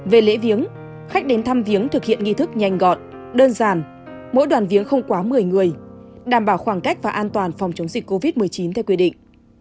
về lễ viếng khách đến thăm viếng thực hiện nghi thức nhanh gọn đơn giản mỗi đoàn viếng không quá một mươi người đảm bảo khoảng cách và an toàn phòng chống dịch covid một mươi chín theo quy định